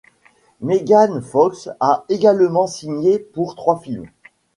Megan Fox a également signé pour trois films.